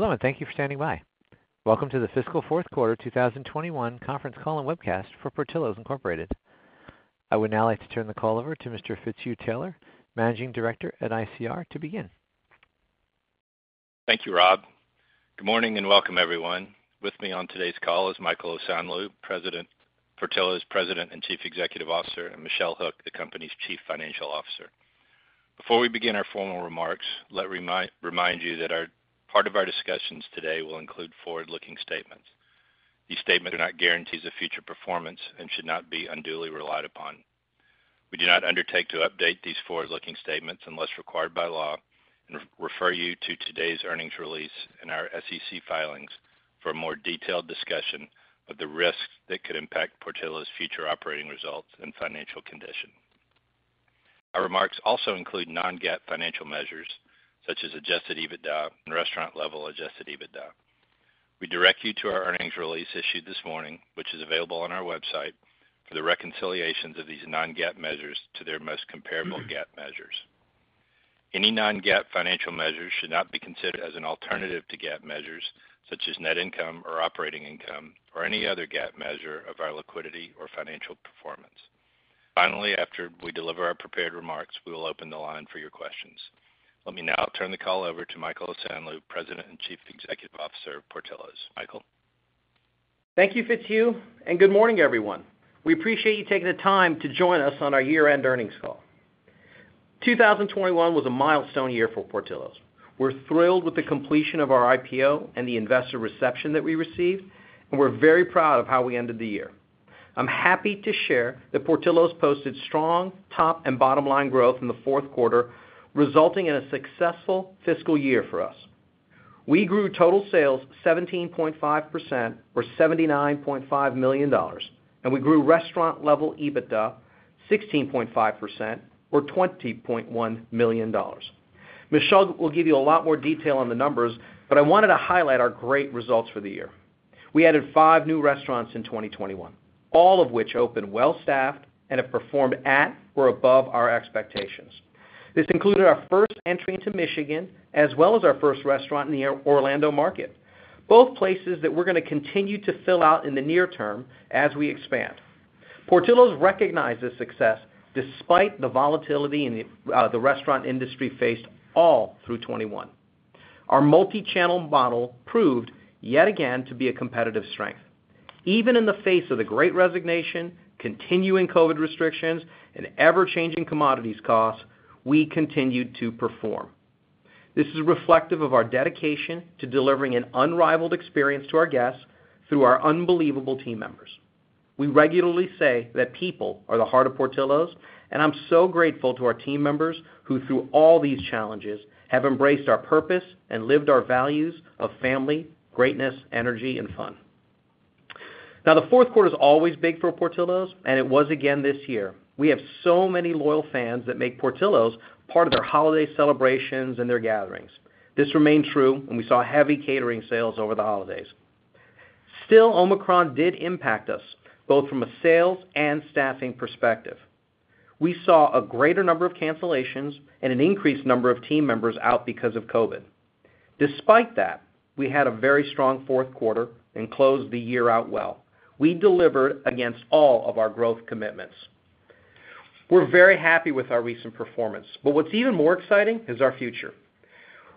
Hello, and thank you for standing by. Welcome to the fiscal fourth quarter 2021 conference call and webcast for Portillo's Incorporated. I would now like to turn the call over to Mr. Fitzhugh Taylor, Managing Director at ICR, to begin. Thank you, Rob. Good morning, and welcome everyone. With me on today's call is Michael Osanloo, Portillo's President and Chief Executive Officer, and Michelle Hook, the company's Chief Financial Officer. Before we begin our formal remarks, let me remind you that part of our discussions today will include forward-looking statements. These statements are not guarantees of future performance and should not be unduly relied upon. We do not undertake to update these forward-looking statements unless required by law and refer you to today's earnings release and our SEC filings for a more detailed discussion of the risks that could impact Portillo's future operating results and financial condition. Our remarks also include non-GAAP financial measures such as adjusted EBITDA and restaurant-level adjusted EBITDA. We direct you to our earnings release issued this morning, which is available on our website, for the reconciliations of these non-GAAP measures to their most comparable GAAP measures. Any non-GAAP financial measures should not be considered as an alternative to GAAP measures such as net income or operating income or any other GAAP measure of our liquidity or financial performance. Finally, after we deliver our prepared remarks, we will open the line for your questions. Let me now turn the call over to Michael Osanloo, President and Chief Executive Officer of Portillo's. Michael. Thank you, Fitzhugh, and good morning, everyone. We appreciate you taking the time to join us on our year-end earnings call. 2021 was a milestone year for Portillo's. We're thrilled with the completion of our IPO and the investor reception that we received, and we're very proud of how we ended the year. I'm happy to share that Portillo's posted strong top and bottom-line growth in the fourth quarter, resulting in a successful fiscal year for us. We grew total sales 17.5% or $79.5 million, and we grew restaurant-level EBITDA 16.5% or $20.1 million. Michelle will give you a lot more detail on the numbers, but I wanted to highlight our great results for the year. We added five new restaurants in 2021, all of which opened well-staffed and have performed at or above our expectations. This included our first entry into Michigan as well as our first restaurant in the Orlando market, both places that we're gonna continue to fill out in the near term as we expand. Portillo's recognized this success despite the volatility in the restaurant industry faced all through 2021. Our multi-channel model proved yet again to be a competitive strength. Even in the face of the great resignation, continuing COVID restrictions, and ever-changing commodities costs, we continued to perform. This is reflective of our dedication to delivering an unrivaled experience to our guests through our unbelievable team members. We regularly say that people are the heart of Portillo's, and I'm so grateful to our team members who, through all these challenges, have embraced our purpose and lived our values of family, greatness, energy, and fun. Now, the fourth quarter is always big for Portillo's, and it was again this year. We have so many loyal fans that make Portillo's part of their holiday celebrations and their gatherings. This remained true, and we saw heavy catering sales over the holidays. Still, Omicron did impact us, both from a sales and staffing perspective. We saw a greater number of cancellations and an increased number of team members out because of COVID. Despite that, we had a very strong fourth quarter and closed the year out well. We delivered against all of our growth commitments. We're very happy with our recent performance, but what's even more exciting is our future.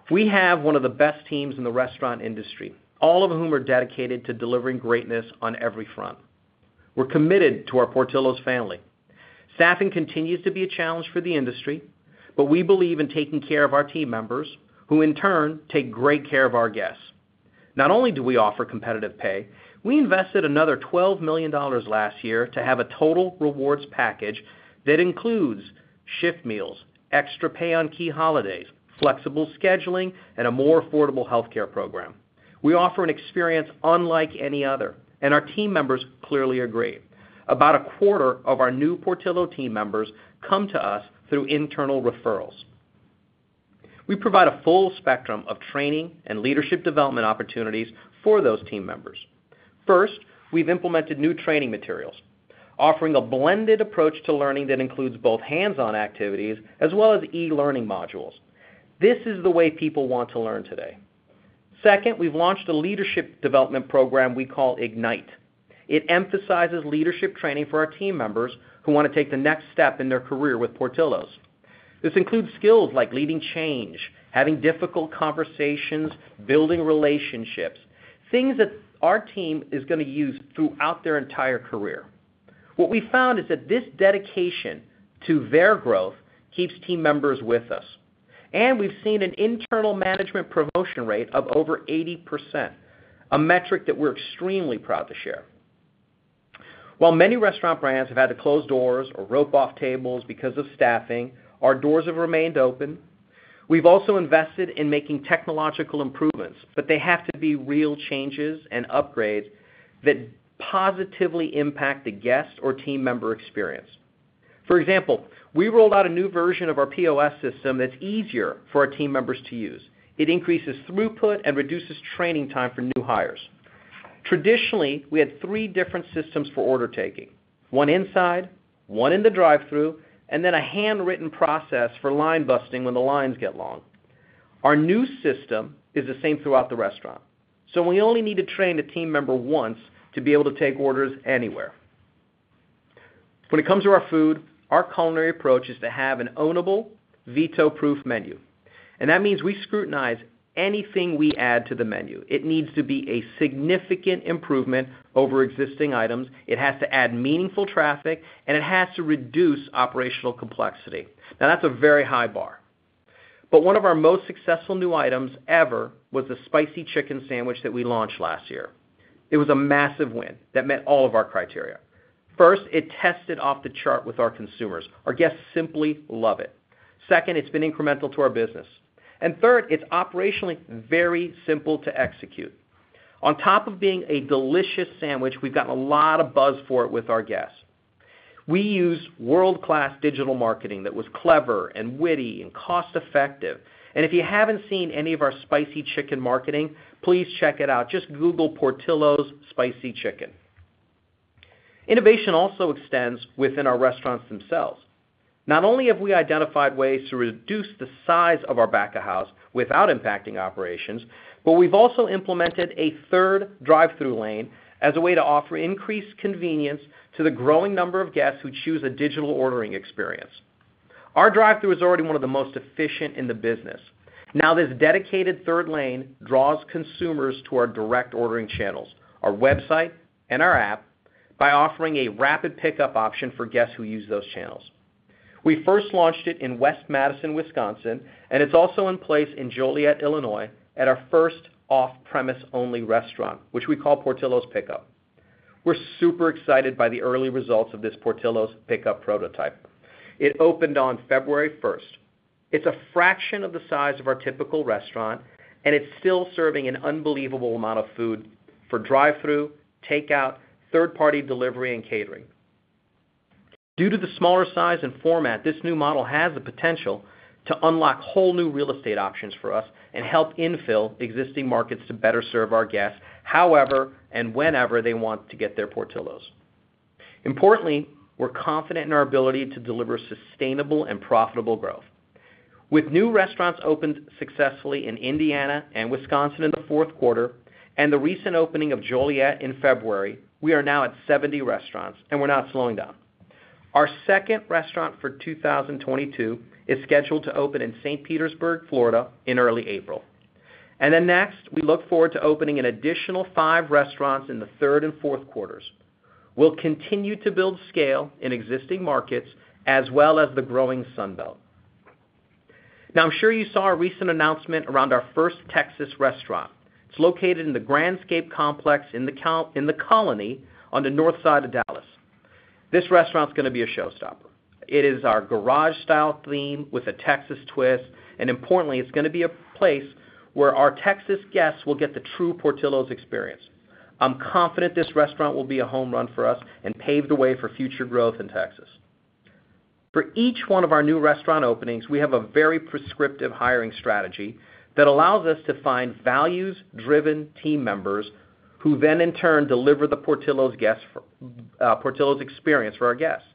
We have one of the best teams in the restaurant industry, all of whom are dedicated to delivering greatness on every front. We're committed to our Portillo's family. Staffing continues to be a challenge for the industry, but we believe in taking care of our team members, who in turn take great care of our guests. Not only do we offer competitive pay, we invested another $12 million last year to have a total rewards package that includes shift meals, extra pay on key holidays, flexible scheduling, and a more affordable healthcare program. We offer an experience unlike any other, and our team members clearly agree. About a quarter of our new Portillo's team members come to us through internal referrals. We provide a full spectrum of training and leadership development opportunities for those team members. First, we've implemented new training materials, offering a blended approach to learning that includes both hands-on activities as well as e-learning modules. This is the way people want to learn today. Second, we've launched a leadership development program we call Ignite. It emphasizes leadership training for our team members who wanna take the next step in their career with Portillo's. This includes skills like leading change, having difficult conversations, building relationships, things that our team is gonna use throughout their entire career. What we found is that this dedication to their growth keeps team members with us, and we've seen an internal management promotion rate of over 80%, a metric that we're extremely proud to share. While many restaurant brands have had to close doors or rope off tables because of staffing, our doors have remained open. We've also invested in making technological improvements, but they have to be real changes and upgrades that positively impact the guest or team member experience. For example, we rolled out a new version of our POS system that's easier for our team members to use. It increases throughput and reduces training time for new hires. Traditionally, we had three different systems for order taking, one inside, one in the drive-thru, and then a handwritten process for line busting when the lines get long. Our new system is the same throughout the restaurant, so we only need to train a team member once to be able to take orders anywhere. When it comes to our food, our culinary approach is to have an ownable veto-proof menu, and that means we scrutinize anything we add to the menu. It needs to be a significant improvement over existing items. It has to add meaningful traffic, and it has to reduce operational complexity. Now, that's a very high bar. One of our most successful new items ever was the spicy chicken sandwich that we launched last year. It was a massive win that met all of our criteria. First, it tested off the chart with our consumers. Our guests simply love it. Second, it's been incremental to our business. And third, it's operationally very simple to execute. On top of being a delicious sandwich, we've gotten a lot of buzz for it with our guests. We used world-class digital marketing that was clever and witty and cost-effective. If you haven't seen any of our spicy chicken marketing, please check it out. Just Google Portillo's spicy chicken. Innovation also extends within our restaurants themselves. Not only have we identified ways to reduce the size of our back-of-house without impacting operations, but we've also implemented a third drive-thru lane as a way to offer increased convenience to the growing number of guests who choose a digital ordering experience. Our drive-thru is already one of the most efficient in the business. Now, this dedicated third lane draws consumers to our direct ordering channels, our website and our app, by offering a rapid pickup option for guests who use those channels. We first launched it in West Madison, Wisconsin, and it's also in place in Joliet, Illinois, at our first off-premise only restaurant, which we call Portillo's Pickup. We're super excited by the early results of this Portillo's Pickup prototype. It opened on February first. It's a fraction of the size of our typical restaurant, and it's still serving an unbelievable amount of food for drive-thru, takeout, third-party delivery, and catering. Due to the smaller size and format, this new model has the potential to unlock whole new real estate options for us and help infill existing markets to better serve our guests however and whenever they want to get their Portillo's. Importantly, we're confident in our ability to deliver sustainable and profitable growth. With new restaurants opened successfully in Indiana and Wisconsin in the fourth quarter and the recent opening of Joliet in February, we are now at 70 restaurants, and we're not slowing down. Our second restaurant for 2022 is scheduled to open in St. Petersburg, Florida, in early April. Next, we look forward to opening an additional five restaurants in the third and fourth quarters. We'll continue to build scale in existing markets as well as the growing Sun Belt. Now, I'm sure you saw our recent announcement around our first Texas restaurant. It's located in the Grandscape Complex in The Colony on the north side of Dallas. This restaurant's gonna be a showstopper. It is our garage-style theme with a Texas twist, and importantly, it's gonna be a place where our Texas guests will get the true Portillo's experience. I'm confident this restaurant will be a home run for us and pave the way for future growth in Texas. For each one of our new restaurant openings, we have a very prescriptive hiring strategy that allows us to find values-driven team members who then in turn deliver the Portillo's experience for our guests.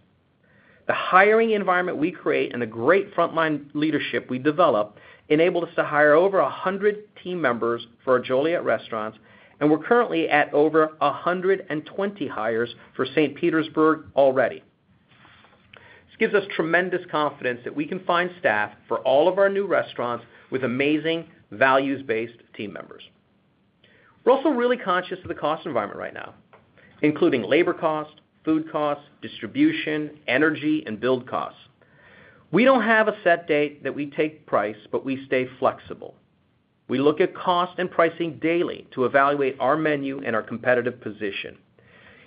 The hiring environment we create and the great frontline leadership we develop enabled us to hire over 100 team members for our Joliet restaurants, and we're currently at over 120 hires for St. Petersburg already. This gives us tremendous confidence that we can find staff for all of our new restaurants with amazing values-based team members. We're also really conscious of the cost environment right now, including labor costs, food costs, distribution, energy, and build costs. We don't have a set date that we take price, but we stay flexible. We look at cost and pricing daily to evaluate our menu and our competitive position.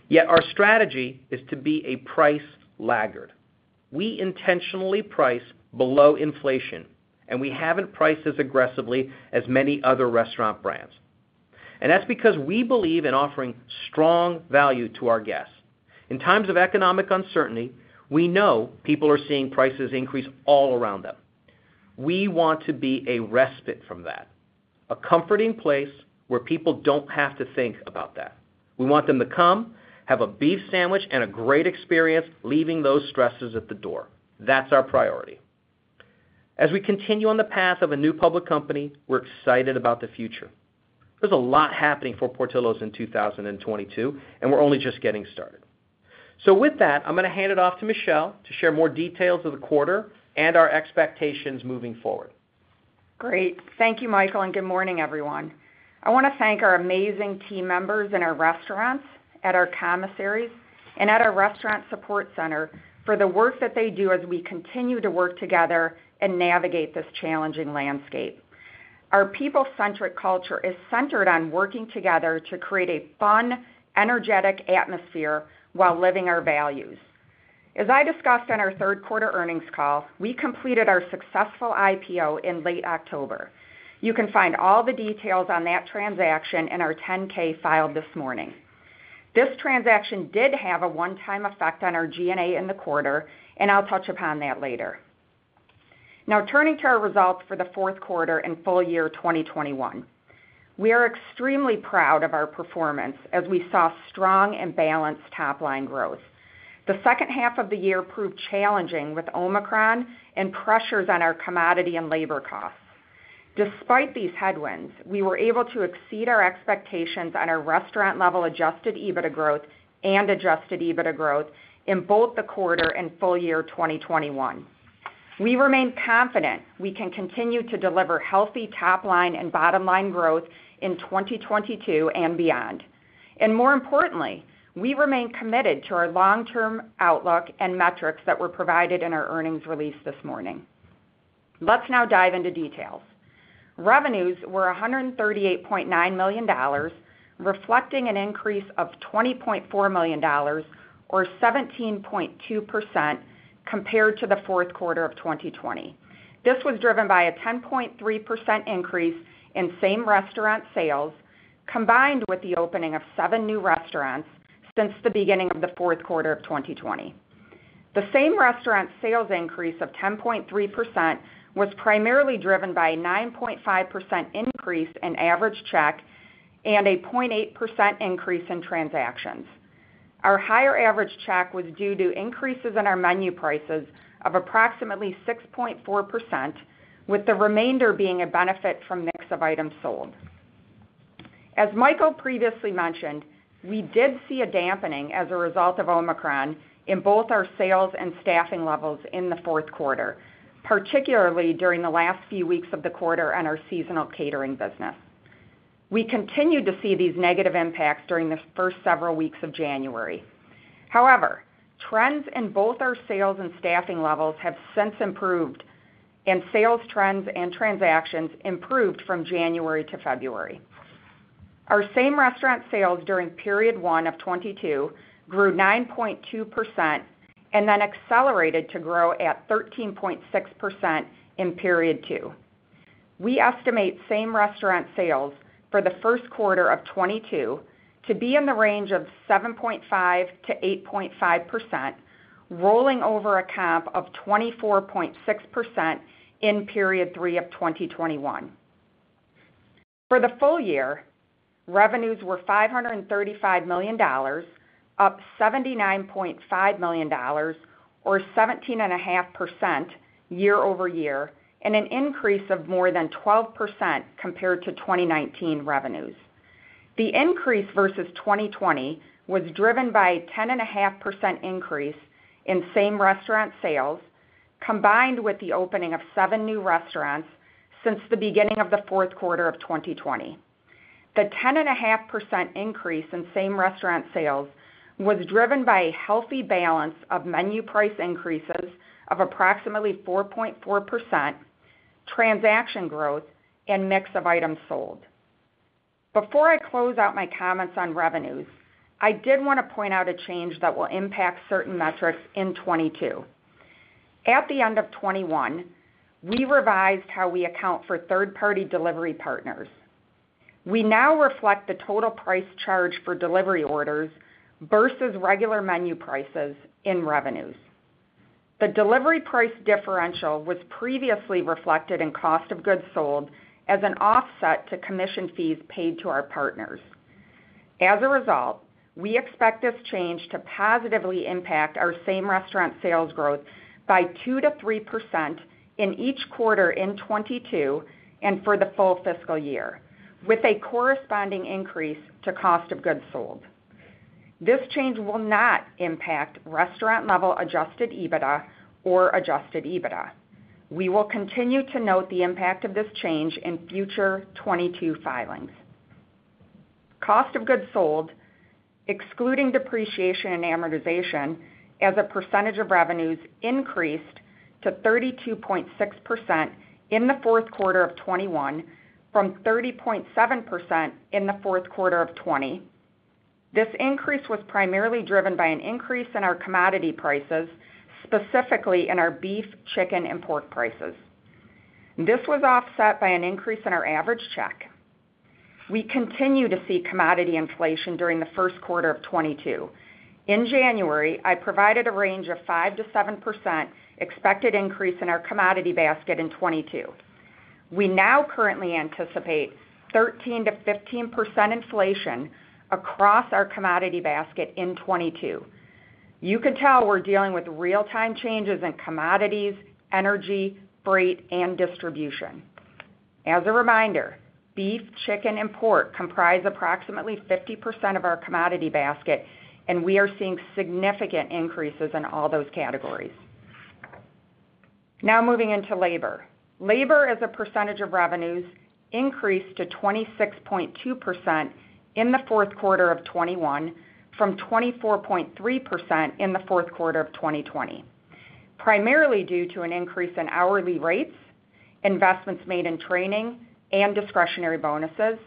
Yet our strategy is to be a price laggard. We intentionally price below inflation, and we haven't priced as aggressively as many other restaurant brands. That's because we believe in offering strong value to our guests. In times of economic uncertainty, we know people are seeing prices increase all around them. We want to be a respite from that, a comforting place where people don't have to think about that. We want them to come, have a beef sandwich, and a great experience, leaving those stresses at the door. That's our priority. As we continue on the path of a new public company, we're excited about the future. There's a lot happening for Portillo's in 2022, and we're only just getting started. With that, I'm gonna hand it off to Michelle to share more details of the quarter and our expectations moving forward. Great. Thank you, Michael, and good morning everyone. I want to thank our amazing team members in our restaurants, at our commissaries, and at our restaurant support center for the work that they do as we continue to work together and navigate this challenging landscape. Our people-centric culture is centered on working together to create a fun, energetic atmosphere while living our values. As I discussed on our third quarter earnings call, we completed our successful IPO in late October. You can find all the details on that transaction in our 10-K filed this morning. This transaction did have a one-time effect on our G&A in the quarter, and I'll touch upon that later. Now turning to our results for the fourth quarter and full year 2021. We are extremely proud of our performance as we saw strong and balanced top-line growth. The second half of the year proved challenging with Omicron and pressures on our commodity and labor costs. Despite these headwinds, we were able to exceed our expectations on our restaurant-level Adjusted EBITDA growth and Adjusted EBITDA growth in both the quarter and full year 2021. We remain confident we can continue to deliver healthy top line and bottom line growth in 2022 and beyond. More importantly, we remain committed to our long-term outlook and metrics that were provided in our earnings release this morning. Let's now dive into details. Revenues were $138.9 million, reflecting an increase of $20.4 million or 17.2% compared to the fourth quarter of 2020. This was driven by a 10.3% increase in same restaurant sales, combined with the opening of seven new restaurants since the beginning of the fourth quarter of 2020. The same restaurant sales increase of 10.3% was primarily driven by a 9.5% increase in average check and a 0.8% increase in transactions. Our higher average check was due to increases in our menu prices of approximately 6.4%, with the remainder being a benefit from mix of items sold. As Michael previously mentioned, we did see a dampening as a result of Omicron in both our sales and staffing levels in the fourth quarter, particularly during the last few weeks of the quarter and our seasonal catering business. We continued to see these negative impacts during the first several weeks of January. However, trends in both our sales and staffing levels have since improved, and sales trends and transactions improved from January to February. Our same restaurant sales during period one of 2022 grew 9.2% and then accelerated to grow at 13.6% in period two. We estimate same restaurant sales for the first quarter of 2022 to be in the range of 7.5%-8.5%, rolling over a comp of 24.6% in period three of 2021. For the full year, revenues were $535 million, up $79.5 million, or 17.5% year-over-year, and an increase of more than 12% compared to 2019 revenues. The increase versus 2020 was driven by a 10.5% increase in same restaurant sales, combined with the opening of seven new restaurants since the beginning of the fourth quarter of 2020. The 10.5% increase in same restaurant sales was driven by a healthy balance of menu price increases of approximately 4.4%, transaction growth, and mix of items sold. Before I close out my comments on revenues, I did want to point out a change that will impact certain metrics in 2022. At the end of 2021, we revised how we account for third-party delivery partners. We now reflect the total price charged for delivery orders versus regular menu prices in revenues. The delivery price differential was previously reflected in cost of goods sold as an offset to commission fees paid to our partners. As a result, we expect this change to positively impact our same restaurant sales growth by 2%-3% in each quarter in 2022 and for the full fiscal year, with a corresponding increase to cost of goods sold. This change will not impact restaurant-level Adjusted EBITDA or Adjusted EBITDA. We will continue to note the impact of this change in future 2022 filings. Cost of goods sold, excluding depreciation and amortization as a percentage of revenues increased to 32.6% in the fourth quarter of 2021 from 30.7% in the fourth quarter of 2020. This increase was primarily driven by an increase in our commodity prices, specifically in our beef, chicken, and pork prices. This was offset by an increase in our average check. We continue to see commodity inflation during the first quarter of 2022. In January, I provided a range of 5%-7% expected increase in our commodity basket in 2022. We now currently anticipate 13%-15% inflation across our commodity basket in 2022. You can tell we're dealing with real-time changes in commodities, energy, freight, and distribution. As a reminder, beef, chicken and pork comprise approximately 50% of our commodity basket, and we are seeing significant increases in all those categories. Now moving into labor. Labor as a percentage of revenues increased to 26.2% in the fourth quarter of 2021 from 24.3% in the fourth quarter of 2020, primarily due to an increase in hourly rates, investments made in training and discretionary bonuses,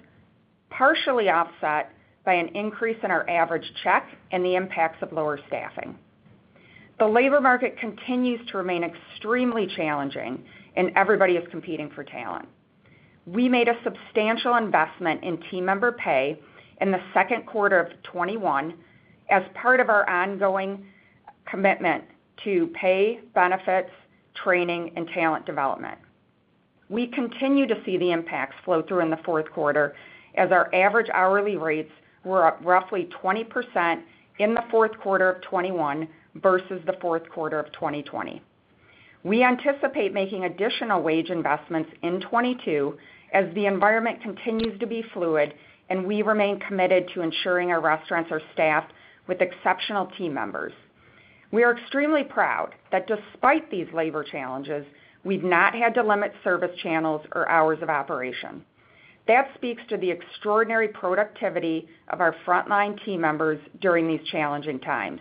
partially offset by an increase in our average check and the impacts of lower staffing. The labor market continues to remain extremely challenging and everybody is competing for talent. We made a substantial investment in team member pay in the second quarter of 2021 as part of our ongoing commitment to pay benefits, training, and talent development. We continue to see the impacts flow through in the fourth quarter as our average hourly rates were up roughly 20% in the fourth quarter of 2021 versus the fourth quarter of 2020. We anticipate making additional wage investments in 2022 as the environment continues to be fluid and we remain committed to ensuring our restaurants are staffed with exceptional team members. We are extremely proud that despite these labor challenges, we've not had to limit service channels or hours of operation. That speaks to the extraordinary productivity of our frontline team members during these challenging times.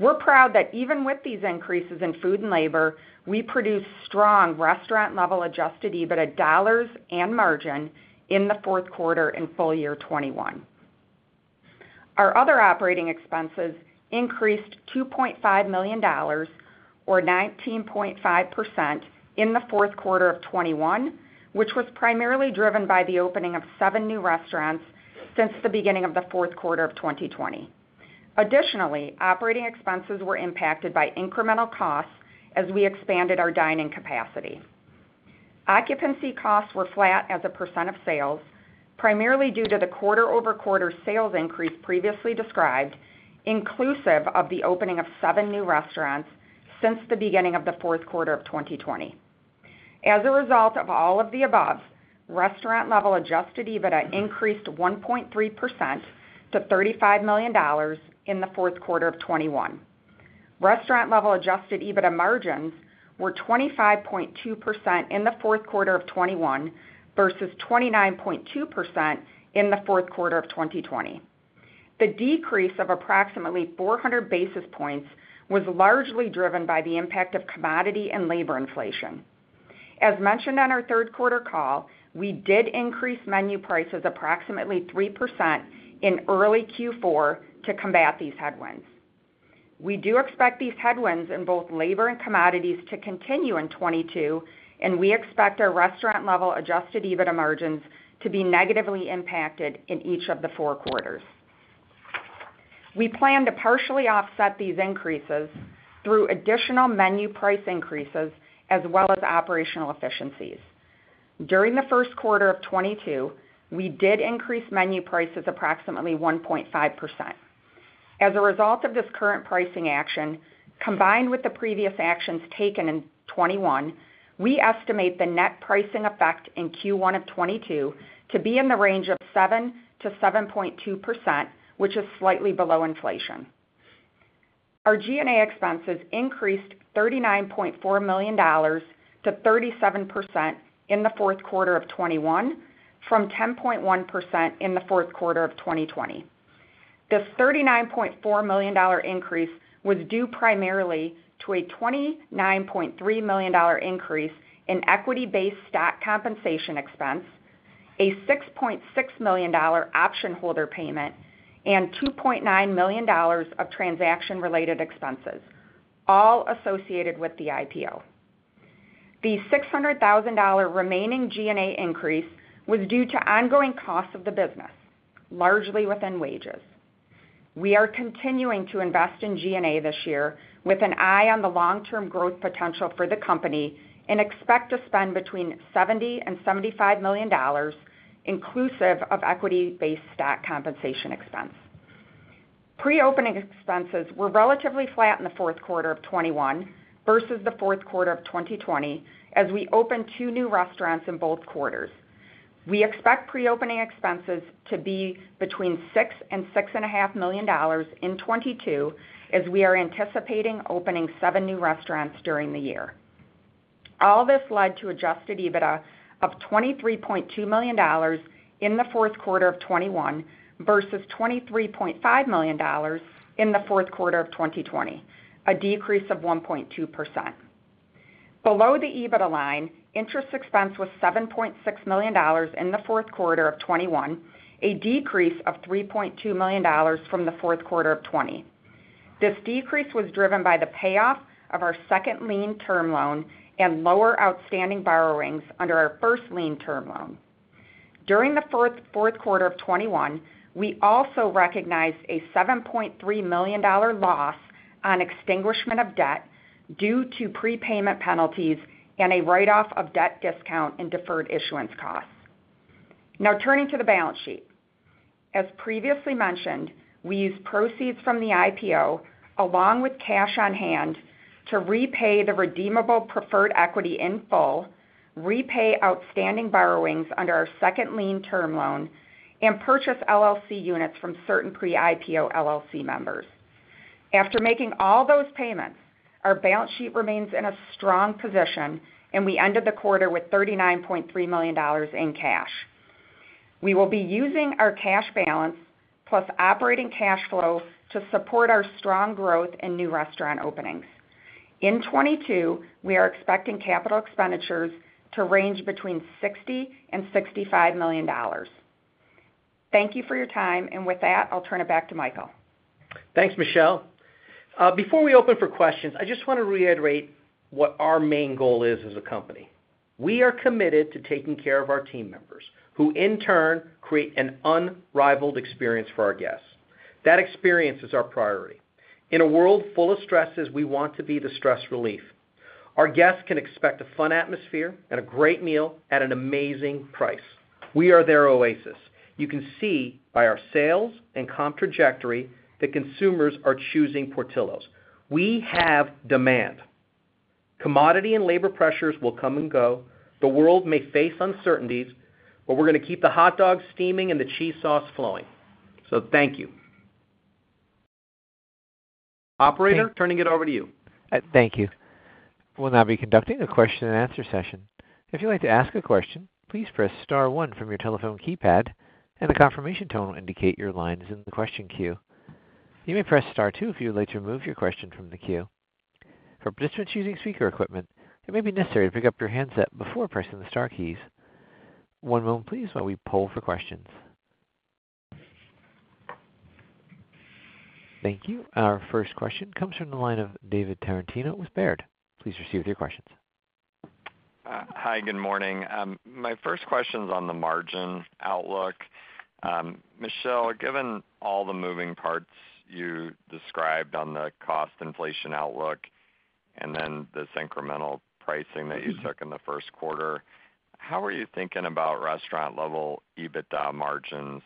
We're proud that even with these increases in food and labor, we produced strong restaurant-level Adjusted EBITDA dollars and margin in the fourth quarter and full year 2021. Our other operating expenses increased $2.5 million or 19.5% in the fourth quarter of 2021, which was primarily driven by the opening of seven new restaurants since the beginning of the fourth quarter of 2020. Additionally, operating expenses were impacted by incremental costs as we expanded our dining capacity. Occupancy costs were flat as a percent of sales, primarily due to the quarter-over-quarter sales increase previously described, inclusive of the opening of seven new restaurants since the beginning of the fourth quarter of 2020. As a result of all of the above, restaurant-level Adjusted EBITDA increased 1.3% to $35 million in the fourth quarter of 2021. Restaurant-level Adjusted EBITDA margins were 25.2% in the fourth quarter of 2021 versus 29.2% in the fourth quarter of 2020. The decrease of approximately 400 basis points was largely driven by the impact of commodity and labor inflation. As mentioned on our third quarter call, we did increase menu prices approximately 3% in early Q4 to combat these headwinds. We do expect these headwinds in both labor and commodities to continue in 2022, and we expect our restaurant-level Adjusted EBITDA margins to be negatively impacted in each of the four quarters. We plan to partially offset these increases through additional menu price increases as well as operational efficiencies. During the first quarter of 2022, we did increase menu prices approximately 1.5%. As a result of this current pricing action, combined with the previous actions taken in 2021, we estimate the net pricing effect in Q1 of 2022 to be in the range of 7%-7.2%, which is slightly below inflation. Our G&A expenses increased $39.4 million to 37% in the fourth quarter of 2021 from 10.1% in the fourth quarter of 2020. This $39.4 million increase was due primarily to a $29.3 million increase in equity-based stock compensation expense, a $6.6 million option holder payment, and $2.9 million of transaction-related expenses, all associated with the IPO. The $600,000 remaining G&A increase was due to ongoing costs of the business, largely within wages. We are continuing to invest in G&A this year with an eye on the long-term growth potential for the company and expect to spend between $70 million and $75 million inclusive of equity-based stock compensation expense. Pre-opening expenses were relatively flat in the fourth quarter of 2021 versus the fourth quarter of 2020 as we opened two new restaurants in both quarters. We expect pre-opening expenses to be between $6 million and $6.5 million in 2022 as we are anticipating opening seven new restaurants during the year. All this led to Adjusted EBITDA of $23.2 million in the fourth quarter of 2021 versus $23.5 million in the fourth quarter of 2020, a decrease of 1.2%. Below the EBITDA line, interest expense was $7.6 million in the fourth quarter of 2021, a decrease of $3.2 million from the fourth quarter of 2020. This decrease was driven by the payoff of our second lien term loan and lower outstanding borrowings under our first lien term loan. During the fourth quarter of 2021, we also recognized a $7.3 million loss on extinguishment of debt due to prepayment penalties and a write-off of debt discount and deferred issuance costs. Now turning to the balance sheet. As previously mentioned, we used proceeds from the IPO along with cash on hand to repay the redeemable preferred equity in full, repay outstanding borrowings under our second lien term loan, and purchase LLC units from certain pre-IPO LLC members. After making all those payments, our balance sheet remains in a strong position, and we ended the quarter with $39.3 million in cash. We will be using our cash balance plus operating cash flow to support our strong growth in new restaurant openings. In 2022, we are expecting capital expenditures to range between $60 million and $65 million. Thank you for your time, and with that, I'll turn it back to Michael. Thanks, Michelle. Before we open for questions, I just wanna reiterate what our main goal is as a company. We are committed to taking care of our team members, who in turn create an unrivaled experience for our guests. That experience is our priority. In a world full of stresses, we want to be the stress relief. Our guests can expect a fun atmosphere and a great meal at an amazing price. We are their oasis. You can see by our sales and comp trajectory that consumers are choosing Portillo's. We have demand. Commodity and labor pressures will come and go. The world may face uncertainties, but we're gonna keep the hot dogs steaming and the cheese sauce flowing. Thank you. Operator, turning it over to you. Thank you. We'll now be conducting a question and answer session. If you'd like to ask a question, please press star one from your telephone keypad, and a confirmation tone will indicate your line is in the question queue. You may press star two if you would like to remove your question from the queue. For participants using speaker equipment, it may be necessary to pick up your handset before pressing the star keys. One moment please while we poll for questions. Thank you. Our first question comes from the line of David Tarantino with Baird. Please proceed with your questions. Hi, good morning. My first question's on the margin outlook. Michelle, given all the moving parts you described on the cost inflation outlook and then this incremental pricing that you took in the first quarter, how are you thinking about restaurant-level EBITDA margins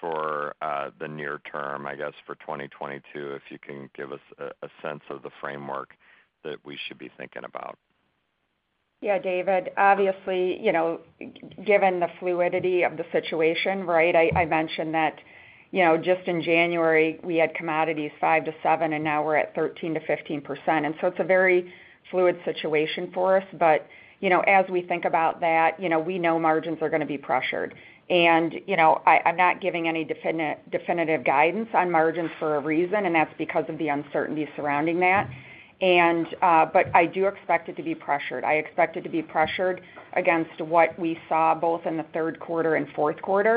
for the near term, I guess for 2022, if you can give us a sense of the framework that we should be thinking about? Yeah, David. Obviously, you know, given the fluidity of the situation, right? I mentioned that, you know, just in January, we had commodities 5%-7%, and now we're at 13%-15%. It's a very fluid situation for us, but, you know, as we think about that, you know, we know margins are gonna be pressured. I’m not giving any definitive guidance on margins for a reason, and that's because of the uncertainty surrounding that. But I do expect it to be pressured. I expect it to be pressured against what we saw both in the third quarter and fourth quarter,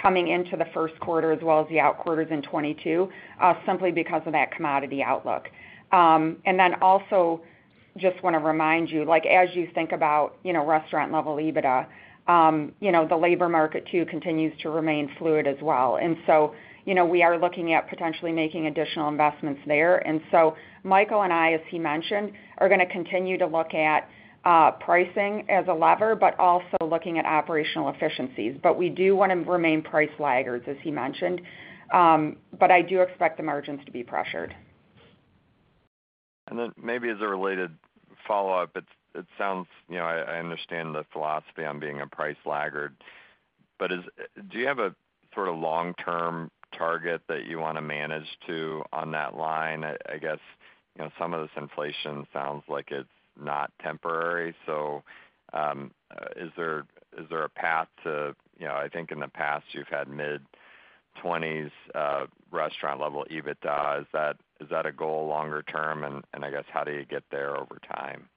coming into the first quarter as well as the outer quarters in 2022, simply because of that commodity outlook. Just wanna remind you, like, as you think about, you know, restaurant-level EBITDA, you know, the labor market too continues to remain fluid as well. You know, we are looking at potentially making additional investments there. Michael and I, as he mentioned, are gonna continue to look at pricing as a lever, but also looking at operational efficiencies. We do wanna remain price laggards, as he mentioned. I do expect the margins to be pressured. Then maybe as a related follow-up, you know, I understand the philosophy on being a price laggard, but do you have a sort of long-term target that you wanna manage to on that line? I guess, you know, some of this inflation sounds like it's not temporary, so is there a path to you know I think in the past you've had mid-20s restaurant-level EBITDA. Is that a goal longer term, and I guess how do you get there over time?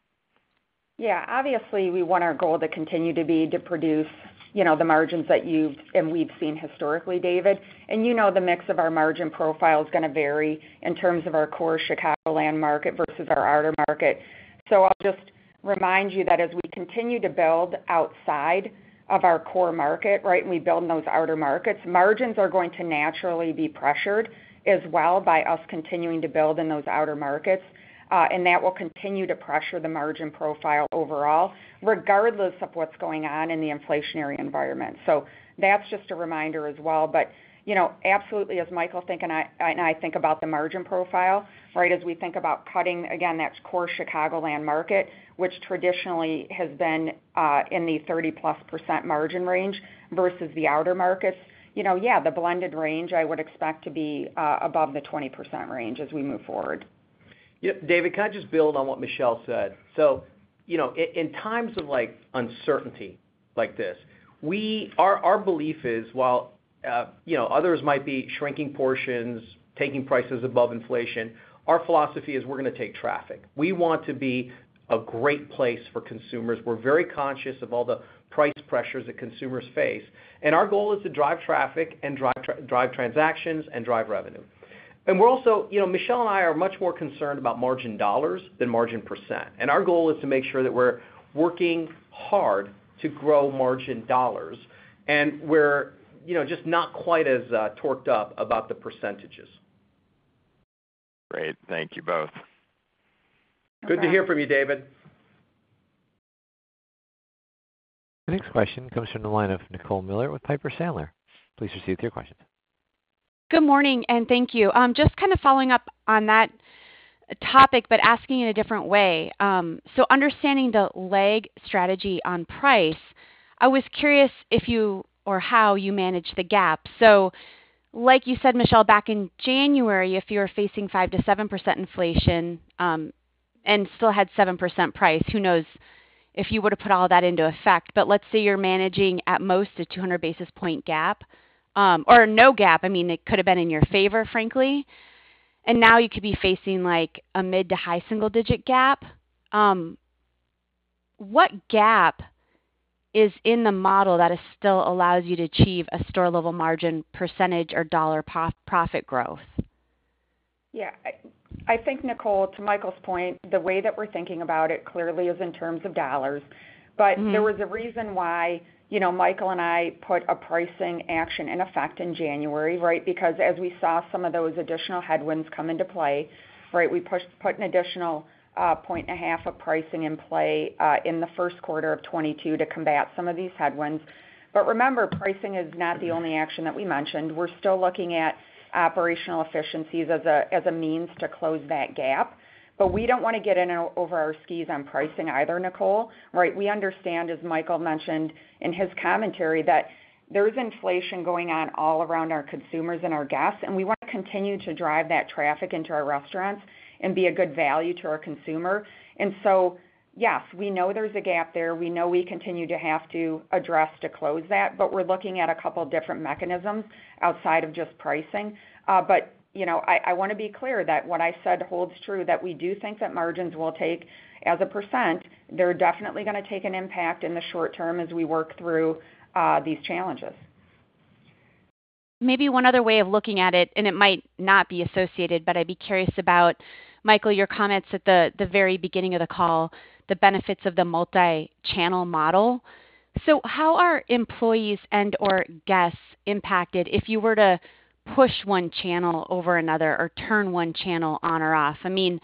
Yeah. Obviously, we want our goal to continue to be to produce, you know, the margins that you've and we've seen historically, David. You know the mix of our margin profile is gonna vary in terms of our core Chicagoland market versus our outer market. I'll just remind you that as we continue to build outside of our core market, right, and we build in those outer markets, margins are going to naturally be pressured as well by us continuing to build in those outer markets, and that will continue to pressure the margin profile overall, regardless of what's going on in the inflationary environment. That's just a reminder as well. You know, absolutely, as Michael and I think about the margin profile, right? As we think about cutting, again, that core Chicagoland market, which traditionally has been in the 30%+ margin range versus the outer markets. You know, yeah, the blended range I would expect to be above the 20% range as we move forward. Yeah. David, can I just build on what Michelle said? You know, in times of, like, uncertainty like this, our belief is while, you know, others might be shrinking portions, taking prices above inflation, our philosophy is we're gonna take traffic. We want to be a great place for consumers. We're very conscious of all the price pressures that consumers face, and our goal is to drive traffic and drive transactions and drive revenue. You know, Michelle and I are much more concerned about margin dollars than margin percent, and our goal is to make sure that we're working hard to grow margin dollars. We're, you know, just not quite as torqued up about the percentages. Great. Thank you both. Uh- Good to hear from you, David. The next question comes from the line of Nicole Miller with Piper Sandler. Please proceed with your question. Good morning. Thank you. Just kind of following up on that topic, but asking in a different way. Understanding the lag strategy on price, I was curious if you or how you managed the gap. Like you said, Michelle, back in January, if you were facing 5%-7% inflation and still had 7% price, who knows if you would've put all that into effect. Let's say you're managing at most a 200 basis point gap or no gap. I mean, it could have been in your favor, frankly. Now you could be facing, like, a mid- to high-single-digit gap. What gap is in the model that still allows you to achieve a store-level margin percentage or dollar profit growth? I think, Nicole, to Michael's point, the way that we're thinking about it clearly is in terms of dollars. Mm-hmm. There was a reason why, you know, Michael and I put a pricing action in effect in January, right? Because as we saw some of those additional headwinds come into play, right, we put an additional 1.5 points of pricing in play in the first quarter of 2022 to combat some of these headwinds. Remember, pricing is not the only action that we mentioned. We're still looking at operational efficiencies as a means to close that gap, but we don't wanna get in over our skis on pricing either, Nicole, right? We understand, as Michael mentioned in his commentary, that there's inflation going on all around our consumers and our guests, and we want to continue to drive that traffic into our restaurants and be a good value to our consumer. Yes, we know there's a gap there. We know we continue to have to address to close that, but we're looking at a couple different mechanisms outside of just pricing. You know, I wanna be clear that what I said holds true, that we do think that margins will take as a percent. They're definitely gonna take an impact in the short term as we work through these challenges. Maybe one other way of looking at it, and it might not be associated, but I'd be curious about, Michael, your comments at the very beginning of the call, the benefits of the multi-channel model. How are employees and/or guests impacted if you were to push one channel over another or turn one channel on or off? I mean,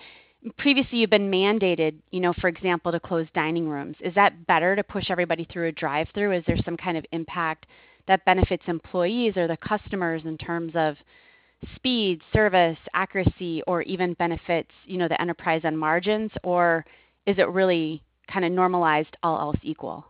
previously you've been mandated, you know, for example, to close dining rooms. Is that better to push everybody through a drive-through? Is there some kind of impact that benefits employees or the customers in terms of speed, service, accuracy, or even benefits, you know, the enterprise on margins, or is it really kind of normalized all else equal?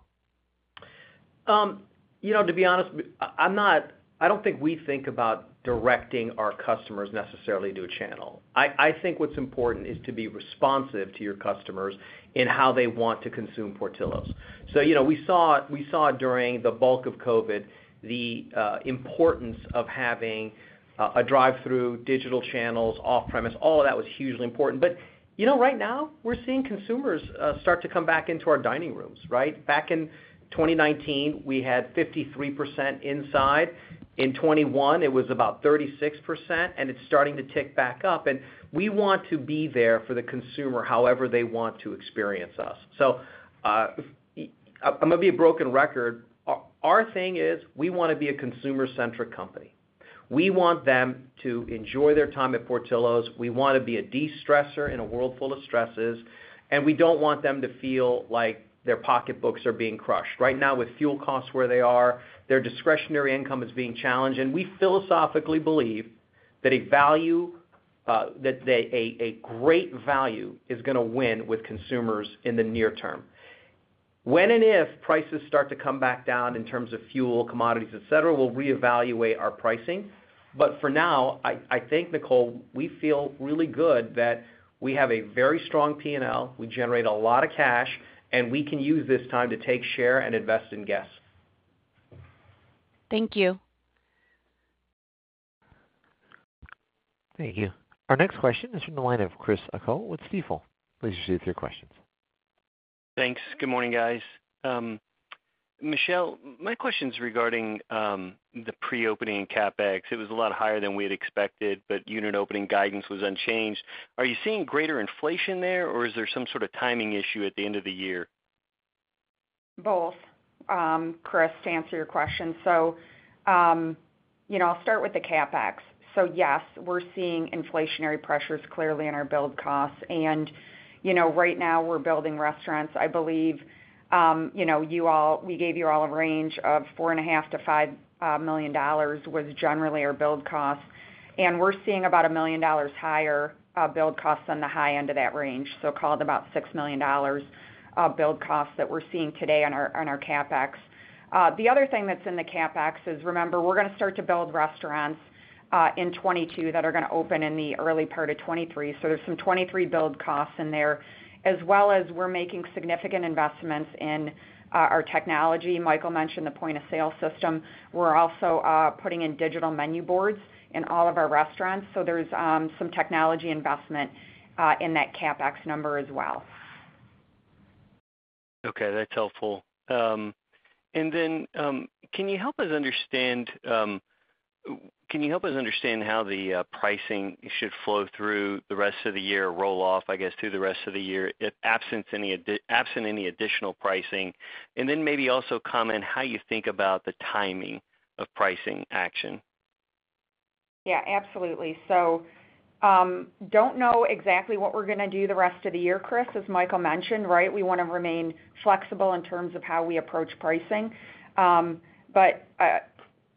To be honest, I don't think we think about directing our customers necessarily to a channel. I think what's important is to be responsive to your customers in how they want to consume Portillo's. You know, we saw during the bulk of COVID the importance of having a drive-through, digital channels, off-premise, all of that was hugely important. You know, right now we're seeing consumers start to come back into our dining rooms, right? Back in 2019, we had 53% inside. In 2021, it was about 36%, and it's starting to tick back up. We want to be there for the consumer however they want to experience us. I'm gonna be a broken record. Our thing is we wanna be a consumer-centric company. We want them to enjoy their time at Portillo's. We wanna be a de-stressor in a world full of stresses, and we don't want them to feel like their pocketbooks are being crushed. Right now with fuel costs where they are, their discretionary income is being challenged. We philosophically believe that a value, a great value is gonna win with consumers in the near term. When and if prices start to come back down in terms of fuel, commodities, et cetera, we'll reevaluate our pricing. For now, I think, Nicole, we feel really good that we have a very strong P&L, we generate a lot of cash, and we can use this time to take share and invest in guests. Thank you. Thank you. Our next question is from the line of Chris O'Cull with Stifel. Please proceed with your questions. Thanks. Good morning, guys. Michelle, my question's regarding the pre-opening CapEx. It was a lot higher than we had expected, but unit opening guidance was unchanged. Are you seeing greater inflation there, or is there some sort of timing issue at the end of the year? Both, Chris, to answer your question. You know, I'll start with the CapEx. Yes, we're seeing inflationary pressures clearly in our build costs. You know, right now we're building restaurants. I believe, you know, we gave you all a range of $4.5 million-$5 million was generally our build cost. We're seeing about $1 million higher build costs on the high end of that range. Call it about $6 million of build costs that we're seeing today on our CapEx. The other thing that's in the CapEx is, remember, we're gonna start to build restaurants in 2022 that are gonna open in the early part of 2023, so there's some 2023 build costs in there, as well as we're making significant investments in our technology. Michael mentioned the point of sale system. We're also putting in digital menu boards in all of our restaurants, so there's some technology investment in that CapEx number as well. Okay, that's helpful. Can you help us understand how the pricing should flow through the rest of the year, roll off, I guess, through the rest of the year if absent any additional pricing? Maybe also comment how you think about the timing of pricing action. Yeah, absolutely. Don't know exactly what we're gonna do the rest of the year, Chris. As Michael mentioned, right, we wanna remain flexible in terms of how we approach pricing.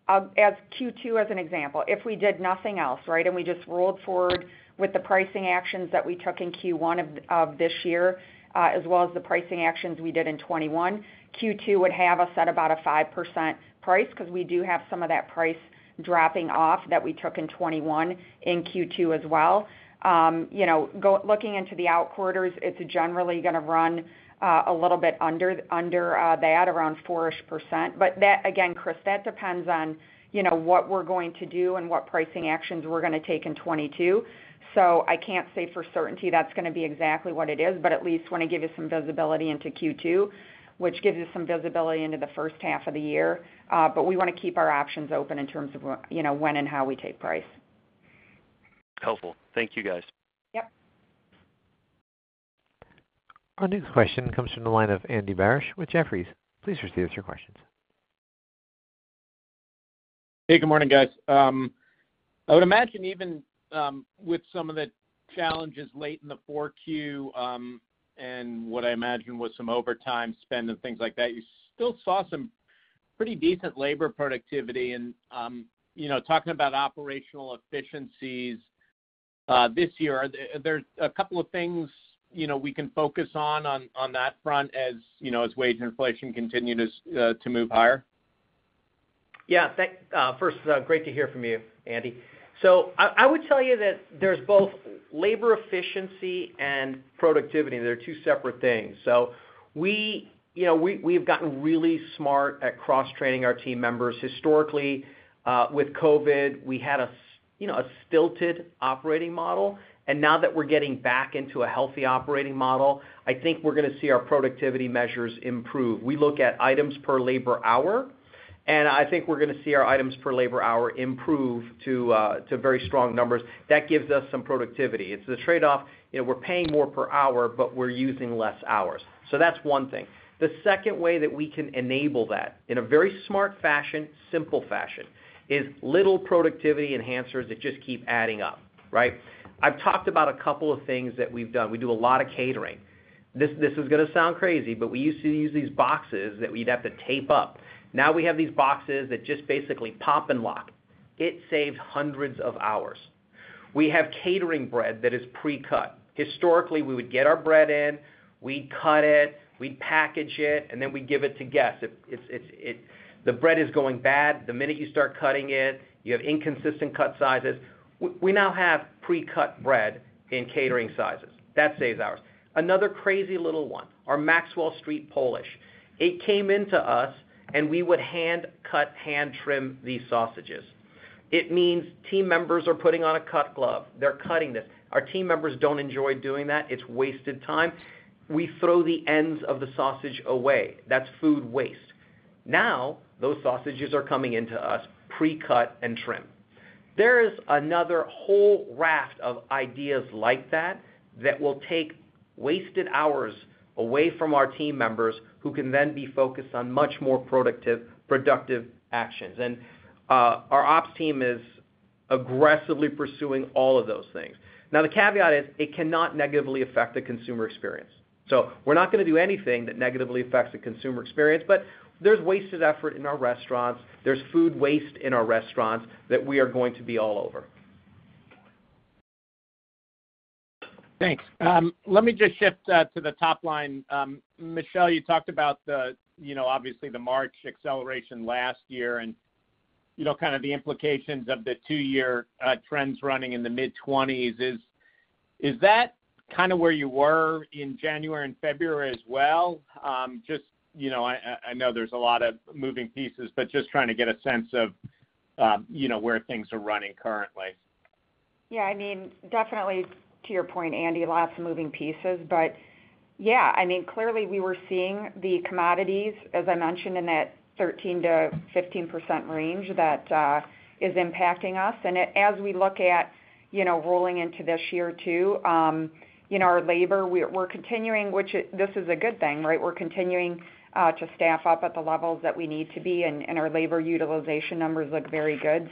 As Q2 as an example, if we did nothing else, right, and we just rolled forward with the pricing actions that we took in Q1 of this year, as well as the pricing actions we did in 2021, Q2 would have us at about a 5% price because we do have some of that price dropping off that we took in 2021 in Q2 as well. You know, looking into the out quarters, it's generally gonna run a little bit under that, around 4-ish percent. That, again, Chris, depends on, you know, what we're going to do and what pricing actions we're gonna take in 2022. I can't say with certainty that's gonna be exactly what it is, but at least I want to give you some visibility into Q2, which gives you some visibility into the first half of the year. We wanna keep our options open in terms of, you know, when and how we take price. Helpful. Thank you, guys. Yep. Our next question comes from the line of Andy Barish with Jefferies. Please proceed with your questions. Hey, good morning, guys. I would imagine even with some of the challenges late in the Q4 and what I imagine was some overtime spend and things like that, you still saw some pretty decent labor productivity. You know, talking about operational efficiencies this year, are there a couple of things, you know, we can focus on on that front as, you know, as wage inflation continue to move higher? Yeah. First, great to hear from you, Andy. I would tell you that there's both labor efficiency and productivity. They are two separate things. We've gotten really smart at cross-training our team members. Historically, with COVID, we had a stilted operating model. Now that we're getting back into a healthy operating model, I think we're gonna see our productivity measures improve. We look at items per labor hour, and I think we're gonna see our items per labor hour improve to very strong numbers. That gives us some productivity. It's the trade-off, you know, we're paying more per hour, but we're using less hours. That's one thing. The second way that we can enable that in a very smart fashion, simple fashion, is little productivity enhancers that just keep adding up, right? I've talked about a couple of things that we've done. We do a lot of catering. This is gonna sound crazy, but we used to use these boxes that we'd have to tape up. Now we have these boxes that just basically pop and lock. It saves hundreds of hours. We have catering bread that is pre-cut. Historically, we would get our bread in, we'd cut it, we'd package it, and then we give it to guests. The bread is going bad the minute you start cutting it. You have inconsistent cut sizes. We now have pre-cut bread in catering sizes. That saves hours. Another crazy little one, our Maxwell Street Polish. It came into us, and we would hand cut, hand trim these sausages. It means team members are putting on a cut glove. They're cutting this. Our team members don't enjoy doing that. It's wasted time. We throw the ends of the sausage away. That's food waste. Now, those sausages are coming into us pre-cut and trimmed. There is another whole raft of ideas like that that will take wasted hours away from our team members who can then be focused on much more productive actions. Our ops team is aggressively pursuing all of those things. Now, the caveat is it cannot negatively affect the consumer experience. We're not gonna do anything that negatively affects the consumer experience, but there's wasted effort in our restaurants, there's food waste in our restaurants that we are going to be all over. Thanks. Let me just shift to the top line. Michelle, you talked about the, you know, obviously the March acceleration last year and, you know, kind of the implications of the two-year trends running in the mid-20s. Is that kind of where you were in January and February as well? Just, you know, I know there's a lot of moving pieces, but just trying to get a sense of, you know, where things are running currently. Yeah. I mean, definitely to your point, Andy, lots of moving pieces. Yeah, I mean, clearly we were seeing the commodities, as I mentioned, in that 13%-15% range that is impacting us. As we look at, you know, rolling into this year too, you know, our labor, we're continuing, which is this is a good thing, right? We're continuing to staff up at the levels that we need to be, and our labor utilization numbers look very good.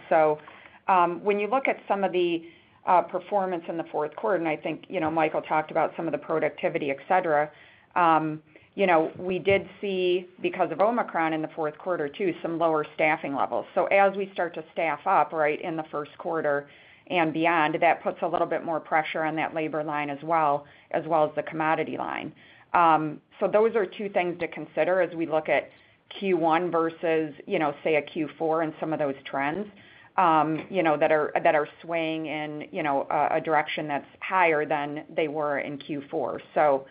When you look at some of the performance in the fourth quarter, and I think, you know, Michael talked about some of the productivity, et cetera, you know, we did see, because of Omicron in the fourth quarter too, some lower staffing levels. As we start to staff up, right, in the first quarter and beyond, that puts a little bit more pressure on that labor line as well as the commodity line. Those are two things to consider as we look at Q1 versus, you know, say a Q4 and some of those trends, you know, that are swaying in, you know, a direction that's higher than they were in Q4.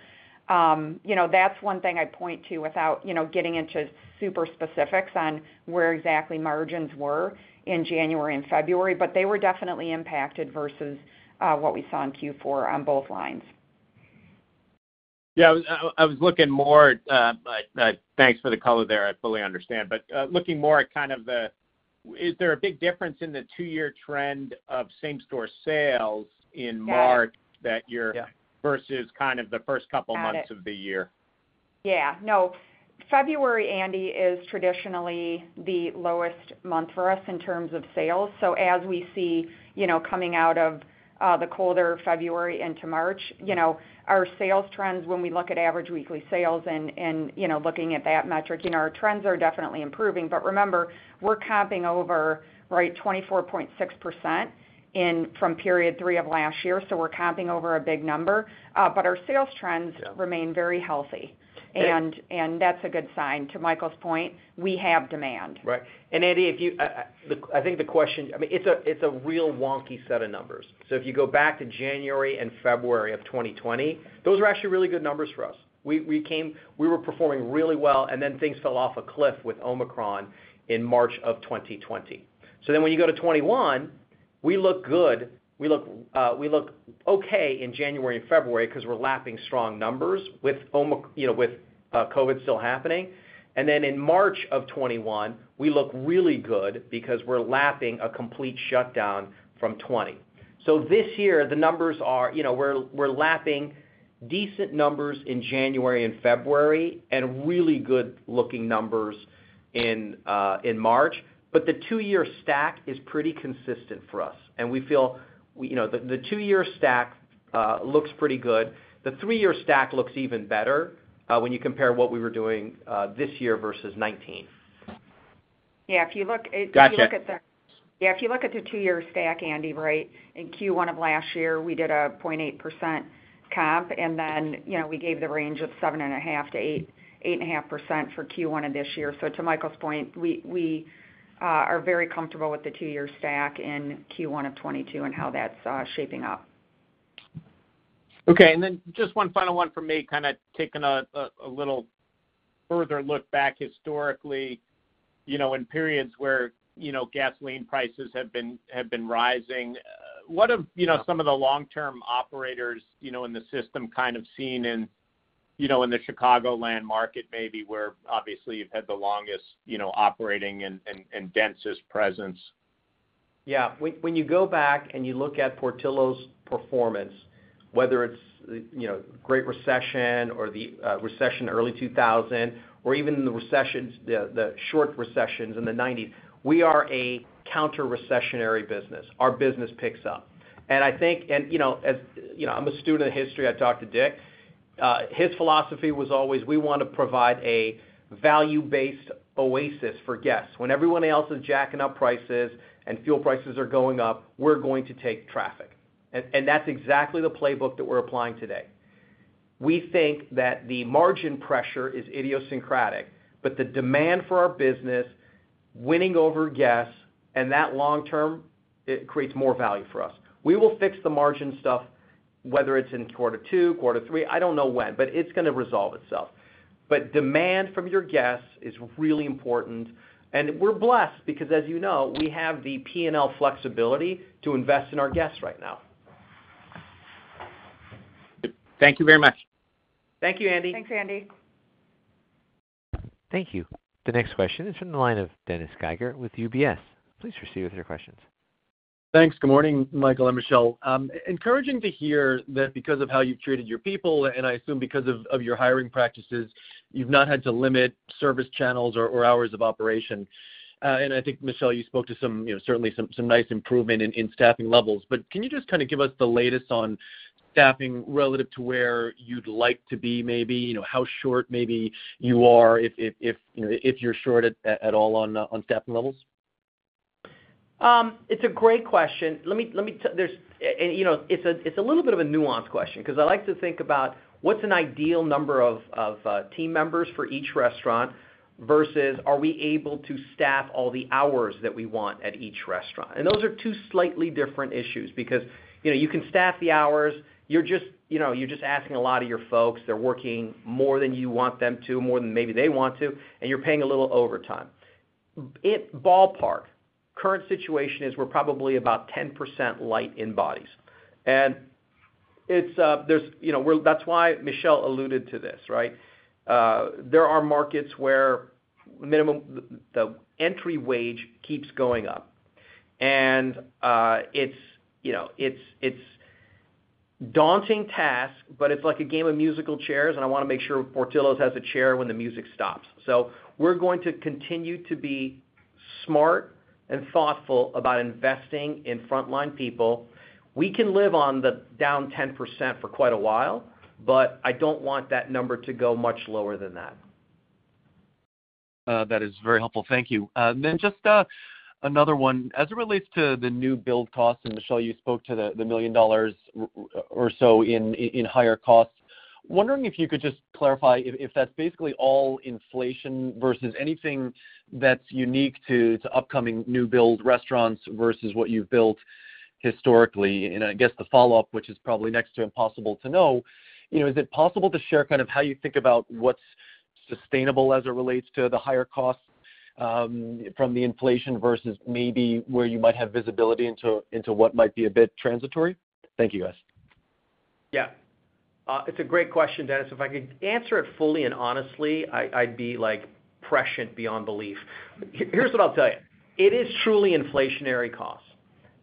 You know, that's one thing I'd point to without, you know, getting into super specifics on where exactly margins were in January and February, but they were definitely impacted versus what we saw in Q4 on both lines. Yeah. I was looking more, thanks for the color there. I fully understand. Looking more at kind of the, is there a big difference in the two-year trend of same-store sales in March? Got it that you're Yeah Versus kind of the first couple months Got it Of the year? Yeah. No, February, Andy, is traditionally the lowest month for us in terms of sales. As we see, you know, coming out of the colder February into March, you know, our sales trends when we look at average weekly sales and looking at that metric, you know, our trends are definitely improving. Remember, we're comping over, right, 24.6% from period three of last year, so we're comping over a big number. Our sales trends- Yeah remain very healthy. Okay. That's a good sign. To Michael's point, we have demand. Right. Andy, I think the question, I mean, it's a real wonky set of numbers. If you go back to January and February of 2020, those were actually really good numbers for us. We were performing really well, and then things fell off a cliff with Omicron in March of 2020. When you go to 2021, we look good, we look okay in January and February 'cause we're lapping strong numbers with Omicron, you know, with COVID still happening. In March of 2021, we look really good because we're lapping a complete shutdown from 2020. This year the numbers are, you know, we're lapping decent numbers in January and February, and really good-looking numbers in March. The two-year stack is pretty consistent for us, and we feel, you know, the two-year stack looks pretty good. The three-year stack looks even better when you compare what we were doing this year versus 2019. Yeah, if you look at the. Gotcha. Yeah, if you look at the two-year stack, Andy Barish, right? In Q1 of last year, we did 0.8% comp, and then, you know, we gave the range of 7.5%-8.5% for Q1 of this year. To Michael Osanloo's point, we are very comfortable with the two-year stack in Q1 of 2022 and how that's shaping up. Okay. Then just one final one from me, kinda taking a little further look back historically. You know, in periods where, you know, gasoline prices have been rising, what have, you know, some of the long-term operators, you know, in the system kind of seen in, you know, in the Chicagoland market maybe where obviously you've had the longest, you know, operating and densest presence? Yeah. When you go back and you look at Portillo's performance, whether it's, you know, Great Recession or the recession early 2000, or even in the recessions, the short recessions in the '90s, we are a counter-recessionary business. Our business picks up. I think, you know, I'm a student of history. I talk to Dick. His philosophy was always, "We wanna provide a value-based oasis for guests. When everyone else is jacking up prices and fuel prices are going up, we're going to take traffic." That's exactly the playbook that we're applying today. We think that the margin pressure is idiosyncratic, but the demand for our business, winning over guests and that long term, it creates more value for us. We will fix the margin stuff, whether it's in quarter two, quarter three, I don't know when, but it's gonna resolve itself. Demand from your guests is really important, and we're blessed because as you know, we have the P&L flexibility to invest in our guests right now. Thank you very much. Thank you, Andy. Thanks, Andy. Thank you. The next question is from the line of Dennis Geiger with UBS. Please proceed with your questions. Thanks. Good morning, Michael and Michelle. Encouraging to hear that because of how you've treated your people, and I assume because of your hiring practices, you've not had to limit service channels or hours of operation. I think, Michelle, you spoke to some certainly some nice improvement in staffing levels, but can you just kind of give us the latest on staffing relative to where you'd like to be maybe? How short maybe you are if you know, if you're short at all on staffing levels? It's a great question. You know, it's a little bit of a nuanced question, 'cause I like to think about what's an ideal number of team members for each restaurant versus are we able to staff all the hours that we want at each restaurant. Those are two slightly different issues because, you know, you can staff the hours. You're just, you know, asking a lot of your folks, they're working more than you want them to, more than maybe they want to, and you're paying a little overtime. Ballpark, current situation is we're probably about 10% light in bodies. That's why Michelle alluded to this, right? There are markets where the entry wage keeps going up. It's you know it's a daunting task, but it's like a game of musical chairs, and I wanna make sure Portillo's has a chair when the music stops. We're going to continue to be smart and thoughtful about investing in frontline people. We can live on the down 10% for quite a while, but I don't want that number to go much lower than that. That is very helpful. Thank you. Just another one. As it relates to the new build costs, and Michelle, you spoke to the $ 1 million or so in higher costs. Wondering if you could just clarify if that's basically all inflation versus anything that's unique to upcoming new build restaurants versus what you've built historically. I guess the follow-up, which is probably next to impossible to know, you know, is it possible to share kind of how you think about what's sustainable as it relates to the higher costs from the inflation versus maybe where you might have visibility into what might be a bit transitory? Thank you, guys. Yeah. It's a great question, Dennis. If I could answer it fully and honestly, I'd be like prescient beyond belief. Here's what I'll tell you. It is truly inflationary costs,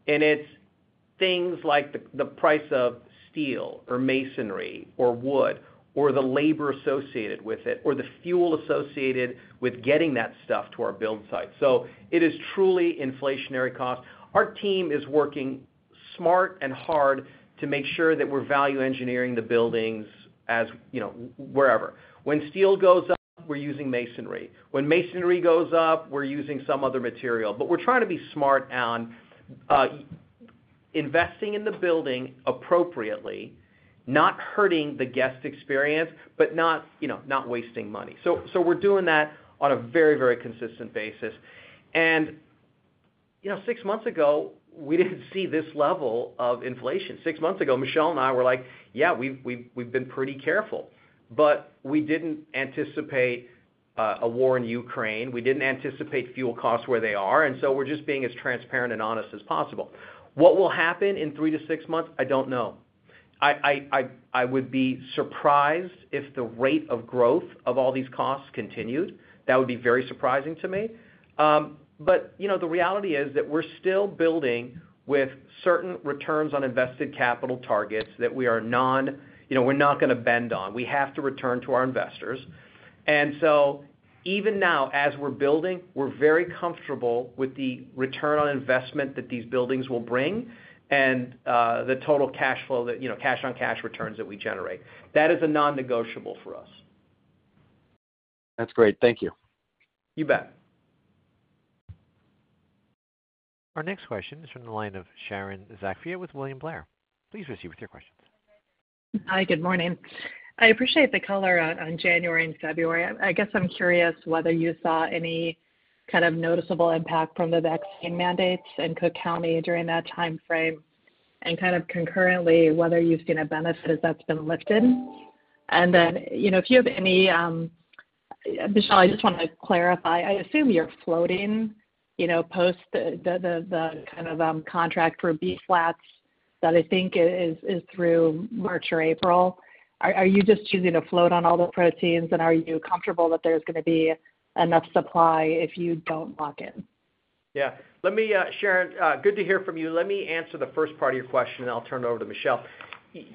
and it's things like the price of steel or masonry or wood, or the labor associated with it, or the fuel associated with getting that stuff to our build site. It is truly inflationary cost. Our team is working smart and hard to make sure that we're value engineering the buildings as you know wherever. When steel goes up, we're using masonry. When masonry goes up, we're using some other material. We're trying to be smart on investing in the building appropriately, not hurting the guest experience, but not you know not wasting money. We're doing that on a very, very consistent basis. You know, six months ago, we didn't see this level of inflation. Six months ago, Michelle and I were like, "Yeah, we've been pretty careful." We didn't anticipate a war in Ukraine. We didn't anticipate fuel costs where they are, and so we're just being as transparent and honest as possible. What will happen in three to six months? I don't know. I would be surprised if the rate of growth of all these costs continued. That would be very surprising to me. You know, the reality is that we're still building with certain returns on invested capital targets that we are, you know, we're not gonna bend on. We have to return to our investors. Even now, as we're building, we're very comfortable with the return on investment that these buildings will bring and the total cash flow that, you know, cash on cash returns that we generate. That is a non-negotiable for us. That's great. Thank you. You bet. Our next question is from the line of Sharon Zackfia with William Blair. Please proceed with your questions. Hi, good morning. I appreciate the color on January and February. I guess I'm curious whether you saw any kind of noticeable impact from the vaccine mandates in Cook County during that timeframe, and kind of concurrently, whether you've seen a benefit as that's been lifted. You know, if you have any, Michelle, I just wanted to clarify. I assume you're floating, you know, post the kind of contract for beef flats that I think is through March or April. Are you just choosing to float on all the proteins, and are you comfortable that there's gonna be enough supply if you don't lock in? Yeah. Let me, Sharon, good to hear from you. Let me answer the first part of your question, and I'll turn it over to Michelle.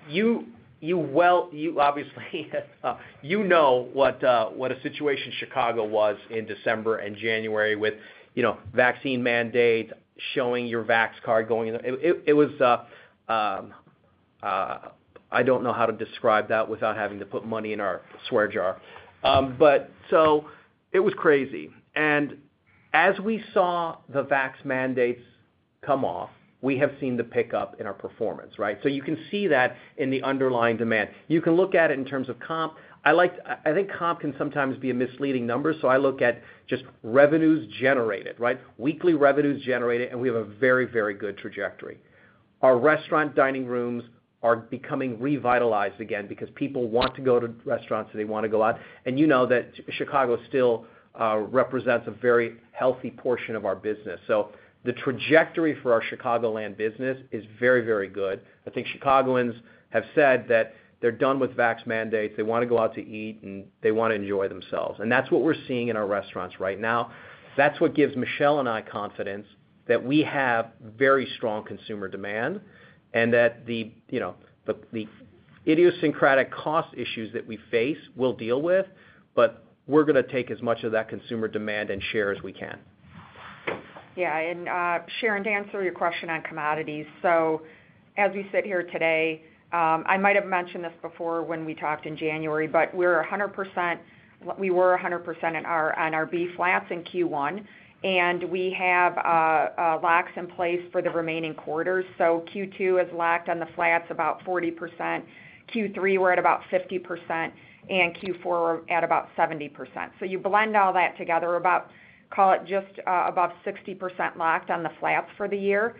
You obviously know what a situation Chicago was in December and January with, you know, vaccine mandate, showing your vax card, going in. It was, I don't know how to describe that without having to put money in our swear jar. But so it was crazy. As we saw the vax mandates come off, we have seen the pickup in our performance, right? You can see that in the underlying demand. You can look at it in terms of comp. I think comp can sometimes be a misleading number, so I look at just revenues generated, right? Weekly revenues generated. We have a very, very good trajectory. Our restaurant dining rooms are becoming revitalized again because people want to go to restaurants and they wanna go out, and you know that Chicago still represents a very healthy portion of our business. The trajectory for our Chicagoland business is very, very good. I think Chicagoans have said that they're done with vax mandates. They wanna go out to eat, and they wanna enjoy themselves, and that's what we're seeing in our restaurants right now. That's what gives Michelle and I confidence that we have very strong consumer demand and that the, you know, the idiosyncratic cost issues that we face we'll deal with, but we're gonna take as much of that consumer demand and share as we can. Yeah. Sharon, to answer your question on commodities, so as we sit here today, I might have mentioned this before when we talked in January, but we were 100% on our beef flats in Q1, and we have locks in place for the remaining quarters. Q2 is locked on the flats about 40%, Q3 we're at about 50%, and Q4 we're at about 70%. You blend all that together about, call it just about 60% locked on the flats for the year.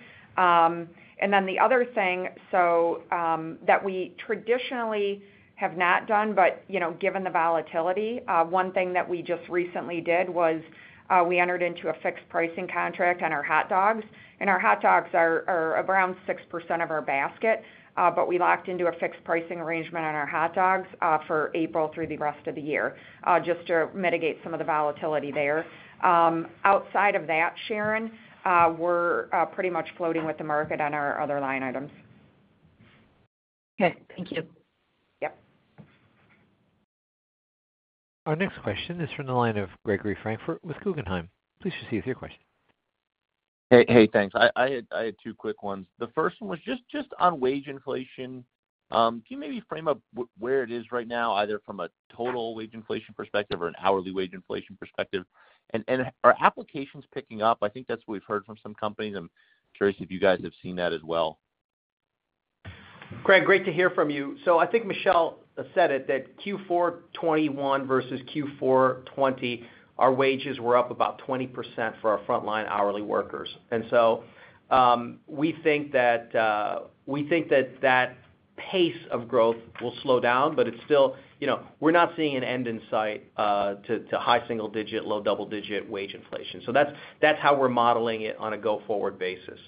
The other thing that we traditionally have not done, but you know, given the volatility, one thing that we just recently did was we entered into a fixed pricing contract on our hot dogs, and our hot dogs are around 6% of our basket. We locked into a fixed pricing arrangement on our hot dogs for April through the rest of the year, just to mitigate some of the volatility there. Outside of that, Sharon, we're pretty much floating with the market on our other line items. Okay. Thank you. Yep. Our next question is from the line of Gregory Francfort with Guggenheim. Please proceed with your question. Hey, thanks. I had two quick ones. The first one was just on wage inflation. Can you maybe frame up where it is right now, either from a total wage inflation perspective or an hourly wage inflation perspective? Are applications picking up? I think that's what we've heard from some companies. I'm curious if you guys have seen that as well. Greg, great to hear from you. I think Michelle said it, that Q4 2021 versus Q4 2020, our wages were up about 20% for our frontline hourly workers. We think that pace of growth will slow down, but it's still. You know, we're not seeing an end in sight to high single digit, low double digit wage inflation. That's how we're modeling it on a go-forward basis.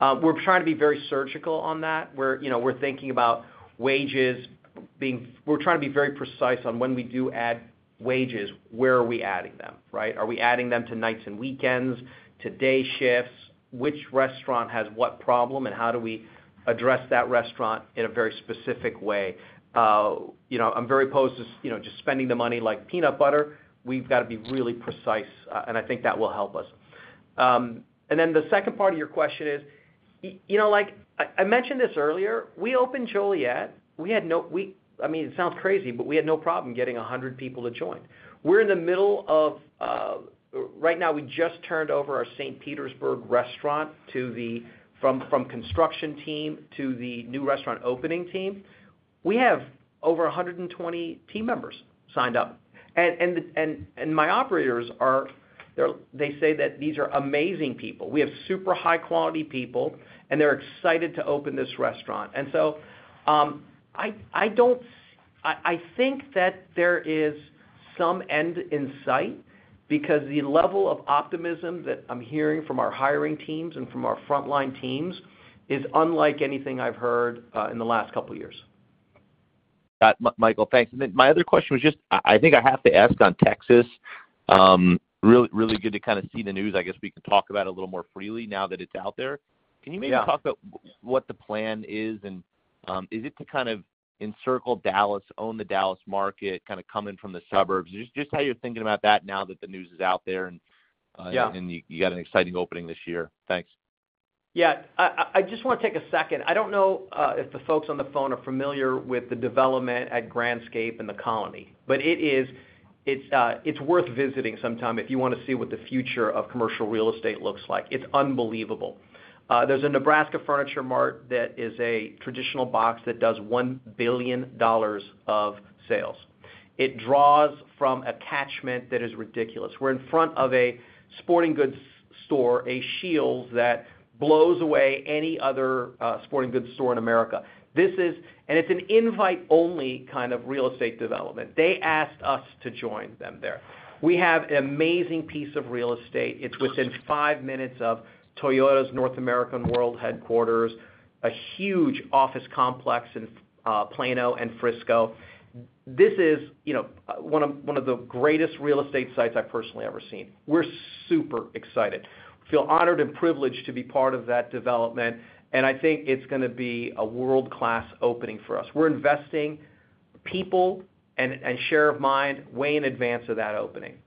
We're trying to be very surgical on that, where, you know, we're thinking about wages being. We're trying to be very precise on when we do add wages, where are we adding them, right? Are we adding them to nights and weekends, to day shifts? Which restaurant has what problem, and how do we address that restaurant in a very specific way? You know, I'm very opposed to just spending the money like peanut butter. We've gotta be really precise, and I think that will help us. Then the second part of your question is, you know, like I mentioned this earlier, we opened Joliet. I mean, it sounds crazy, but we had no problem getting 100 people to join. We're in the middle of right now. We just turned over our St. Petersburg restaurant from the construction team to the new restaurant opening team. We have over 120 team members signed up. My operators are, they say that these are amazing people. We have super high quality people, and they're excited to open this restaurant. I think that there is some end in sight because the level of optimism that I'm hearing from our hiring teams and from our frontline teams is unlike anything I've heard in the last couple years. Got it. Michael, thanks. Then my other question was just, I think I have to ask on Texas, really good to kind of see the news. I guess we can talk about a little more freely now that it's out there. Yeah. Can you maybe talk about what the plan is and, is it to kind of encircle Dallas, own the Dallas market, kind of come in from the suburbs? Just how you're thinking about that now that the news is out there and Yeah You got an exciting opening this year. Thanks. Yeah. I just wanna take a second. I don't know if the folks on the phone are familiar with the development at Grandscape and The Colony, but it is. It's worth visiting sometime if you wanna see what the future of commercial real estate looks like. It's unbelievable. There's a Nebraska Furniture Mart that is a traditional box that does $1 billion of sales. It draws from a catchment that is ridiculous. We're in front of a sporting goods store, a Scheels, that blows away any other sporting goods store in America. This is an invite-only kind of real estate development. They asked us to join them there. We have an amazing piece of real estate. It's within five minutes of Toyota's North American World Headquarters, a huge office complex in Plano and Frisco. This is, you know, one of the greatest real estate sites I've personally ever seen. We're super excited. Feel honored and privileged to be part of that development, and I think it's gonna be a world-class opening for us. We're investing people and share of mind way in advance of that opening.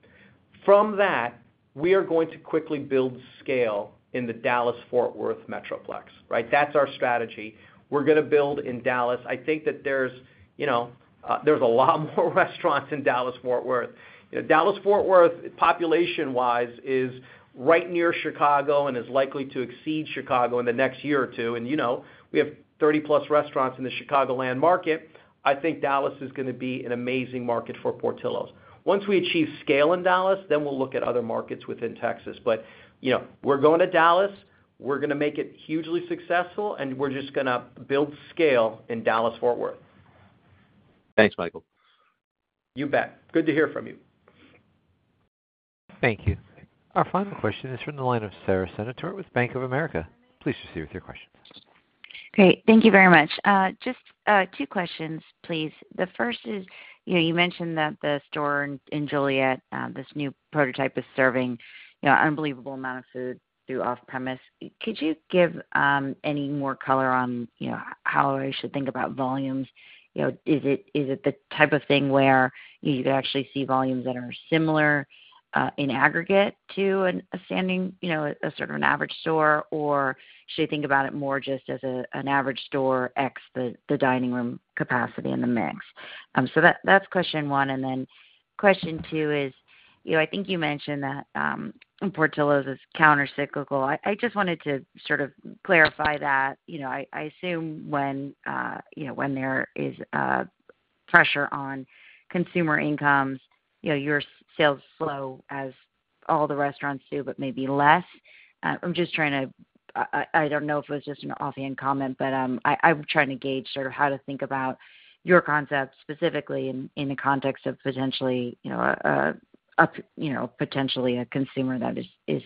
From that, we are going to quickly build scale in the Dallas-Fort Worth metroplex, right? That's our strategy. We're gonna build in Dallas. I think that there's, you know, there's a lot more restaurants in Dallas-Fort Worth. Dallas-Fort Worth, population-wise, is right near Chicago and is likely to exceed Chicago in the next year or two. You know, we have 30-plus restaurants in the Chicagoland market. I think Dallas is gonna be an amazing market for Portillo's. Once we achieve scale in Dallas, then we'll look at other markets within Texas. You know, we're going to Dallas, we're gonna make it hugely successful, and we're just gonna build scale in Dallas-Fort Worth. Thanks, Michael. You bet. Good to hear from you. Thank you. Our final question is from the line of Sara Senatore with Bank of America. Please proceed with your question. Great. Thank you very much. Just two questions, please. The first is, you know, you mentioned that the store in Joliet this new prototype is serving, you know, unbelievable amount of food through off-premise. Could you give any more color on, you know, how I should think about volumes? You know, is it the type of thing where you could actually see volumes that are similar in aggregate to an existing, you know, a sort of an average store? Or should I think about it more just as an average store ex the dining room capacity in the mix? So that's question one. Then question two is, you know, I think you mentioned that Portillo's is countercyclical. I just wanted to sort of clarify that. You know, I assume when there is a pressure on consumer incomes, you know, your sales slow, as all the restaurants do, but maybe less. I'm just trying to. I don't know if it was just an offhand comment, but I'm trying to gauge sort of how to think about your concept specifically in the context of potentially, you know, potentially a consumer that is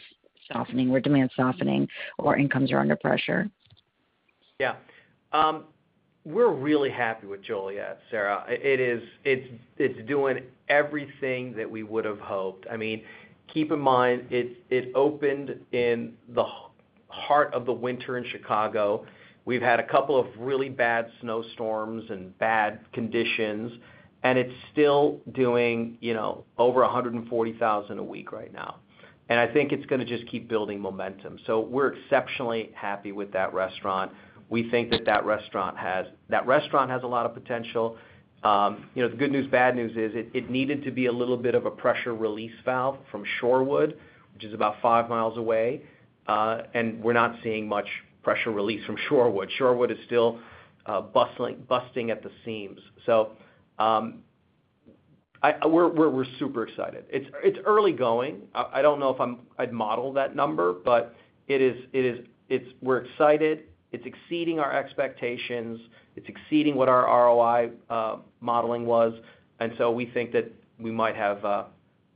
softening or demand softening or incomes are under pressure. Yeah. We're really happy with Joliet, Sara. It's doing everything that we would've hoped. I mean, keep in mind it opened in the heart of the winter in Chicago. We've had a couple of really bad snowstorms and bad conditions, and it's still doing, you know, over 140,000 a week right now, and I think it's gonna just keep building momentum. We're exceptionally happy with that restaurant. We think that restaurant has a lot of potential. You know, the good news, bad news is it needed to be a little bit of a pressure release valve from Shorewood, which is about five miles away, and we're not seeing much pressure release from Shorewood. Shorewood is still busting at the seams. We're super excited. It's early going. I don't know if I'd model that number, but it is. We're excited. It's exceeding our expectations. It's exceeding what our ROI modeling was, and so we think that we might have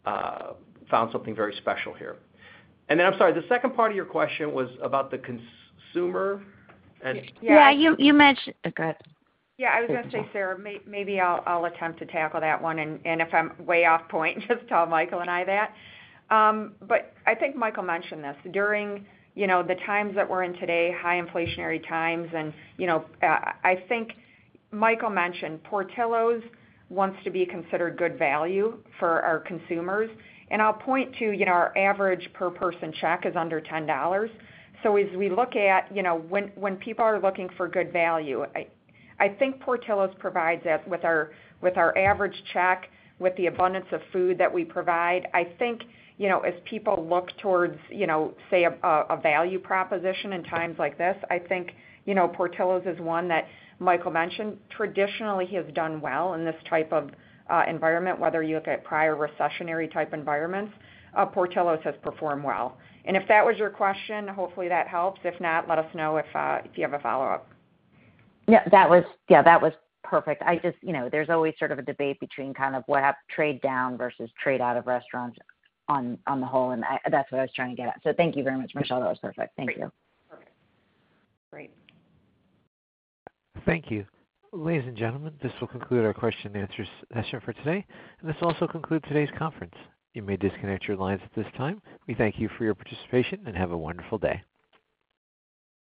found something very special here. Then, I'm sorry, the second part of your question was about the consumer and- Yeah. You mentioned. Go ahead. It's okay. Yeah. I was gonna say, Sara, maybe I'll attempt to tackle that one, and if I'm way off point, just tell Michael and I that. But I think Michael mentioned this. During the times that we're in today, high inflationary times and, you know, I think Michael mentioned Portillo's wants to be considered good value for our consumers, and I'll point to, you know, our average per person check is under $10. As we look at, you know, when people are looking for good value, I think Portillo's provides that with our average check, with the abundance of food that we provide. I think, you know, as people look towards, you know, say a value proposition in times like this, I think, you know, Portillo's is one that Michael mentioned traditionally has done well in this type of environment. Whether you look at prior recessionary type environments, Portillo's has performed well. If that was your question, hopefully that helps. If not, let us know if you have a follow-up. Yeah, that was perfect. I just, you know, there's always sort of a debate between kind of what trade down versus trade out of restaurants on the whole, and that's what I was trying to get at. Thank you very much, Michelle. That was perfect. Thank you. Great. Perfect. Great. Thank you. Ladies and gentlemen, this will conclude our question and answer session for today, and this also concludes today's conference. You may disconnect your lines at this time. We thank you for your participation, and have a wonderful day.